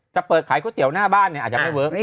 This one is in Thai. จะเปิดขายก๋วยเตี๋ยวหน้าบ้านเนี่ยอาจจะไม่เวิร์ค